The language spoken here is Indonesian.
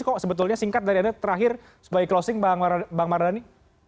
kok sebetulnya singkat dari anda terakhir sebagai closing bang mardhani